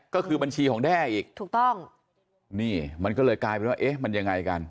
ก็คือบัญชีของแด้อีกถูกต้องนี่มันก็เลยกลายเป็นว่าเอ๊ะมันยังไงกัน